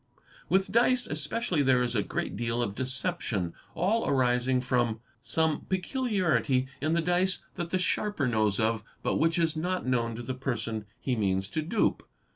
With dice especially there is a great deal of deception, all arising from _ some peculiarity in the dice that the sharper knows of, but which is not _ known to the person he means to dupe.